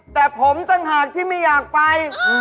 แต่ผมต่างหากที่ไม่อยากไป